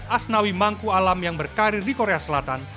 asnawi mangku alam yang berkarir di korea selatan